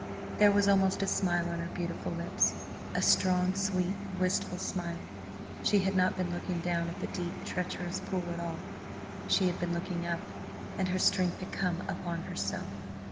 There was almost a smile on her beautiful lips, a strong, sweet, wistful smile. She had not been looking down at the deep, treacherous pool at all. She had been looking up and her strength had come upon her so.